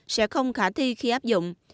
sẽ không khả thi khi áp dụng